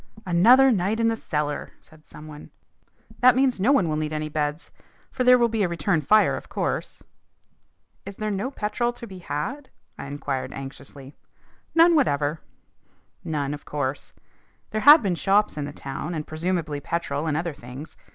"Another night in the cellar!" said some one. "That means no one will need any beds, for there will be a return fire, of course." "Is there no petrol to be had?" I inquired anxiously. "None whatever." None, of course. There had been shops in the town, and presumably petrol and other things.